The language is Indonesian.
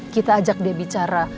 kita ajak dia bicara